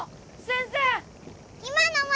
先生！